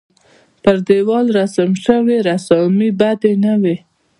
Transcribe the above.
پر دېوال رسم شوې رسامۍ بدې نه وې.